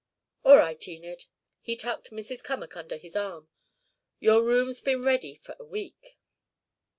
"All right, Enid." He tucked Mrs. Cummack under his arm. "Your room's been ready for a week."